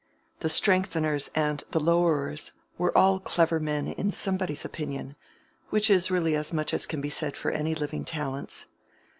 The strengtheners and the lowerers were all "clever" men in somebody's opinion, which is really as much as can be said for any living talents.